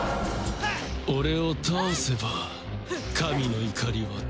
俺を倒せば神の怒りは止まる。